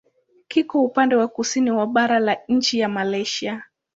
Kiko upande wa kusini wa bara la nchi ya Malaysia.